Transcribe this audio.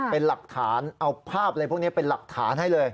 เป็นหลักฐานเอาภาพอะไรพวกนี้เป็นหลักฐานให้เลย